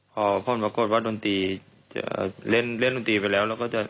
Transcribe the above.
พอผมปรากฏว่าดนตรีจะเล่นดนตรีไปแล้ว